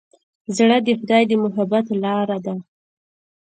زړه د خدای د محبت لاره ده.